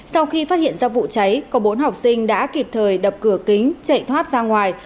sau khi phát hiện ra vụ cháy có bốn học sinh đã kịp thời đập cửa kính chạy thoát ra ngoài